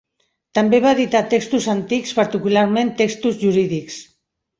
També va editar textos antics, particularment textos jurídics.